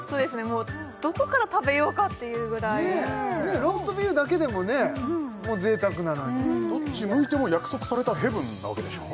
もうどこから食べようかっていうぐらいローストビーフだけでももう贅沢なのにどっち向いても約束されたヘブンなわけでしょ？